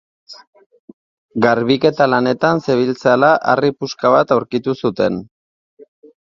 Garbiketa lanetan zebiltzala harri puska bat aurkitu zuten.